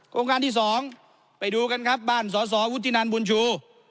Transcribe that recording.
โครงการที่สองไปดูกันครับบ้านสอสอวุฒินันบุญชู